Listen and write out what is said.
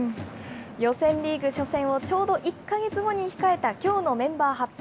予選リーグ初戦をちょうど１か月後に控えたきょうのメンバー発表。